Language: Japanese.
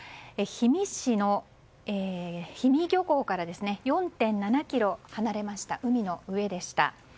氷見市の氷見漁港から４．７ｋｍ離れました海の上でした。